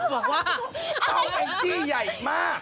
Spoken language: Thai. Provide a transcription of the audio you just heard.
บอกว่าเอาเป็นพี่ใหญ่มาก